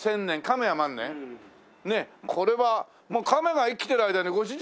ねえこれはカメが生きてる間にご主人。